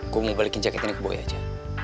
gue mau balikin jaket ini ke boy aja